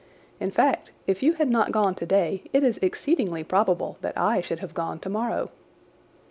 In fact, if you had not gone today it is exceedingly probable that I should have gone tomorrow."